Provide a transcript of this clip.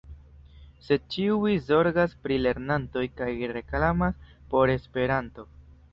Sed ĉiuj zorgas pri lernantoj kaj reklamas por Esperanto.